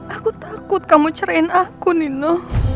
aku takut kamu cerain aku nino